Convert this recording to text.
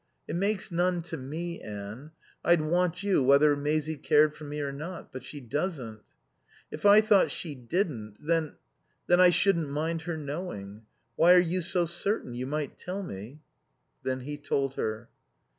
"It makes none to me, Anne. I'd want you whether Maisie cared for me or not. But she doesn't." "If I thought she didn't then then I shouldn't mind her knowing. Why are you so certain? You might tell me." Then he told her.